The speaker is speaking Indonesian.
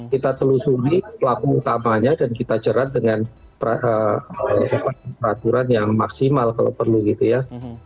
kita telusuri pelaku utamanya dan kita jerat dengan peraturan yang maksimal kalau perlu gitu ya